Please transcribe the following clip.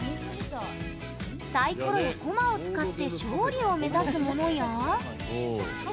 サイコロや駒を使って勝利を目指すものや。